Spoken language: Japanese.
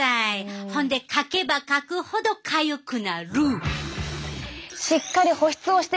ほんでかけばかくほどかゆくなる！